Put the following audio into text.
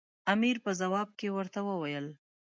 امیر په ځواب کې ورته وویل.